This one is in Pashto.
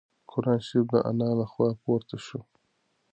قرانشریف د انا له خوا پورته شو.